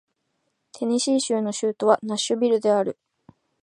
テネシー州の州都はナッシュビルである